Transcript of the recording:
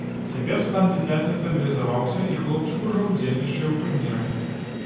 Цяпер стан дзіцяці стабілізаваўся, і хлопчык ужо ўдзельнічае ў турніры.